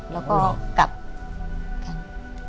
แล้วก็กลับกัน